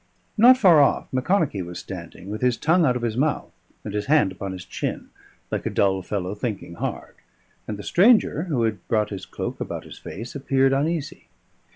Not far off Macconochie was standing, with his tongue out of his mouth and his hand upon his chin, like a dull fellow thinking hard, and the stranger, who had brought his cloak about his face, appeared uneasy.